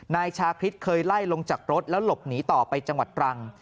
นายชาคริสเคยไล่ลงจากรถแล้วหลบหนีต่อไปจังหวัดตรัง